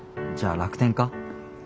じゃあ楽天家？